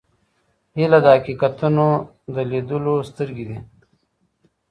هیله د حقیقتونو د لیدلو سترګې دي.